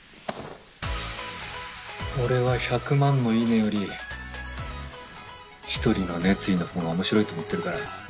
俺は１００万の「いいね」より１人の熱意の方が面白いと思ってるから。